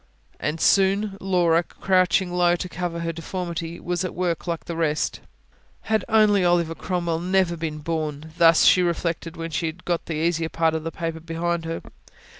And soon Laura, crouching low to cover her deformity, was at work like the rest. Had only Oliver Cromwell never been born! thus she reflected, when she had got the easier part of the paper behind her.